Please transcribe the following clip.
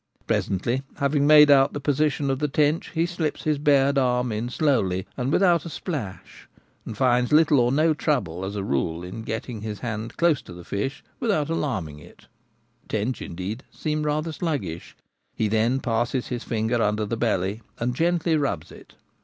Presently, having made out the position of the tench, he slips his bared arm in slowly, and without splash, and finds little or no trouble as a rule in get ting his hand close to the fish without alarming it : tench, indeed, seem rather sluggish. He then passes his fingers under the belly and gently rubs it.